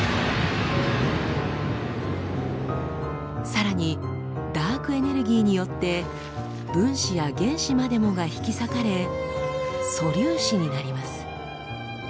さらにダークエネルギーによって分子や原子までもが引き裂かれ素粒子になります。